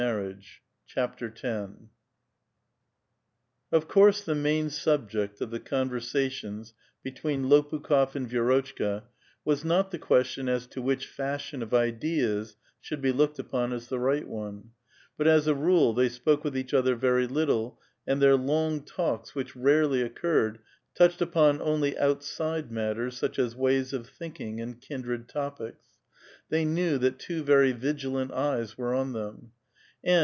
Of course, the main subject of the conversations between Lopukh6f and Vi^rotchka was not the question as to which fashion of ideas should be looked upon as the right one ; but, as a rule, they spoke with each other very little, and their long talks, wb* ^ v^relv.jjjpirred, touched upon onl}'^ outside matters, such as ^\;■. f fthinktnjTSffld kindred topics. They knew that two very vigiia *,f art^ii were on them. And.